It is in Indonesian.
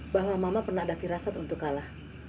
bahwa mama pernah ada firasat untuk kalah